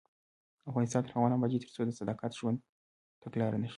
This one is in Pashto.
افغانستان تر هغو نه ابادیږي، ترڅو صداقت د ژوند تګلاره نشي.